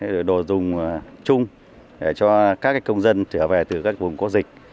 điều dùng chung để cho các công dân trở về từ các vùng có dịch